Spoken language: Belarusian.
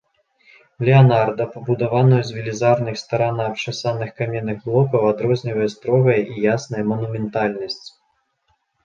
Леанарда, пабудаваную з велізарных, старанна абчасаных каменных блокаў, адрознівае строгая і ясная манументальнасць.